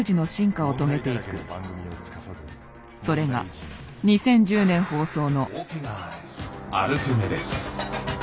それが２０１０年放送の。